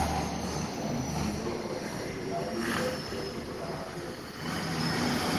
Μ' έναν πήδο ο αρχικαγκελάριος βρέθηκε έξω από το παράθυρο